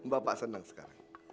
bapak senang sekarang